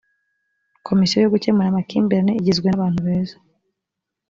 komisiyo yo gukemura amakimbirane igizwe nabantu beza